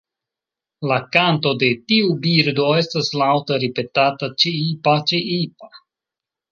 La kanto de tiu birdo estas laŭta ripetata "ĉiipa-ĉiipa".